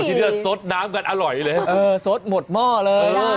โอ้โฮที่เดือนซดน้ำกันอร่อยเลยเออซดหมดหม้อเลย